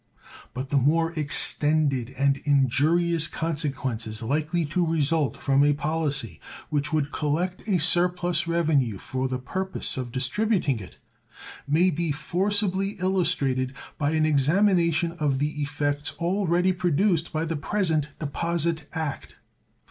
But the more extended and injurious consequences likely to result from a policy which would collect a surplus revenue from the purpose of distributing it may be forcibly illustrated by an examination of the effects already produced by the present deposit act.